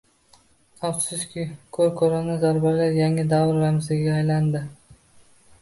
Afsuski, ko'r -ko'rona zarbalar yangi davr ramziga aylandi